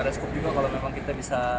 ada skop juga kalau memang kita bisa